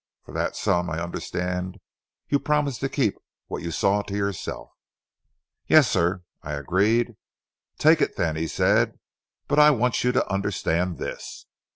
For that sum I understand you promise to keep what you saw to yourself?' 'Yes, sir,' I agreed. 'Take it, then,' he said, 'but I want you to understand this.